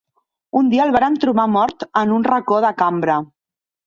Un dia el varen trobar mort en un reco de cambra.